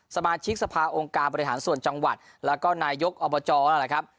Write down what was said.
สมาชิกสภาองค์การบริหารส่วนจังหวัดแล้วก็นายกอบจนั่นแหละครับ